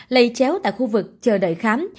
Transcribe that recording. lây chéo tại khu vực chờ đợi khám